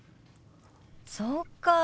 そうか。